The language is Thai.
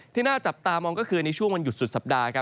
น่าจับตามองก็คือในช่วงวันหยุดสุดสัปดาห์ครับ